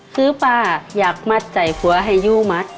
คือป้าอยากมัดใจผัวให้ยู่มัด